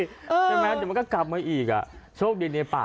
แต่มันก็กลับมาอีกอ่ะ